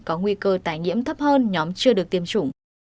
có nguy cơ tái nhiễm thấp hơn nhóm chưa được tiêm chủng